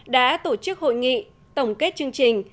đã tổ chức hội nghị tổng kết chương trình